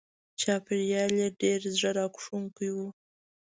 چاپېریال یې ډېر زړه راښکونکی و.